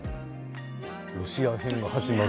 ロシア編が始まる？